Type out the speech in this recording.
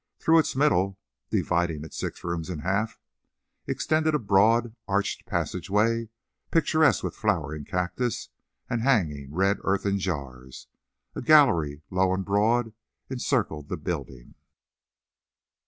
Through its middle, dividing its six rooms in half, extended a broad, arched passageway, picturesque with flowering cactus and hanging red earthen jars. A "gallery," low and broad, encircled the building.